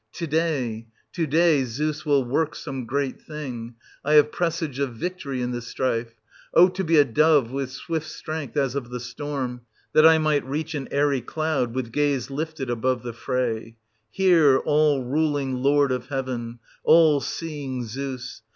To day, to day, Zeus will work some great thing: 1080 I have presage of victory in the strife. O to be a dove with swift strength as of the storm, that I might reach an airy cloud, with gaze lifted above the fray ! ant. 2. Hear, all ruling lord of heaven, all seeing Zeus